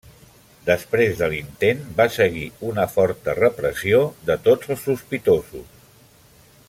Després de l'intent va seguir una forta repressió de tots els sospitosos.